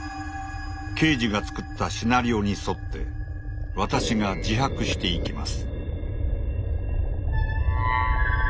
刑事が作ったシナリオに沿って私が自白していきます。